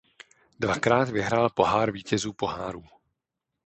Dvakrát vyhrál Pohár vítězů pohárů.